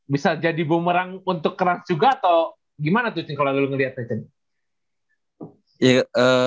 bisa jadi bumerang untuk ranz juga atau gimana tuh cing kalau lo ngeliatnya